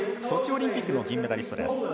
ソチオリンピックの銀メダリストです。